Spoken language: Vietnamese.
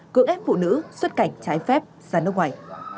cưỡng ép phụ nữ xuất cảnh trái phép ra nước ngoài